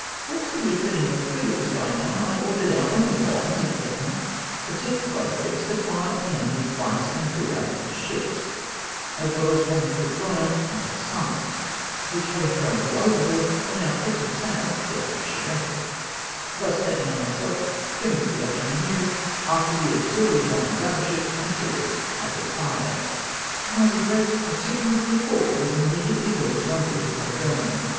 Whilst the refittmg of the frigate was going on, I ordered our only bomb, the Etna, protected by the brigs, to fire on the enemy's Vice and Rear Admiral's ships, as well as on the Foudroyant and Cassard, which, havmg thrown all overboard, were now pressing sail to get up the Charente, thus taking on myself to commence the action anew, after the auxiliary line of battle ships and frigates had retired ! To my regret, a signal of recall was immediately hoisted on board the Caledonia